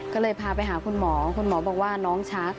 ก็เลยพาไปหาคุณหมอคุณหมอบอกว่าน้องชัก